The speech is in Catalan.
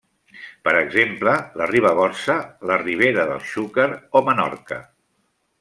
Per exemple: la Ribagorça, la Ribera del Xúquer o Menorca.